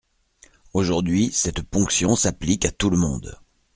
Aujourd’hui, cette ponction s’applique à tout le monde.